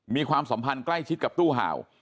ความสัมพันธ์ใกล้ชิดกับตู้ห่าว